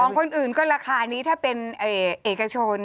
คนอื่นก็ราคานี้ถ้าเป็นเอกชน